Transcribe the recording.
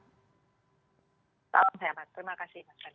salam sehat terima kasih mas ferr